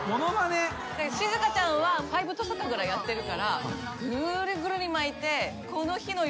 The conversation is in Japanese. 静香ちゃんはファイブトサカぐらいやってるからぐるぐるに巻いて。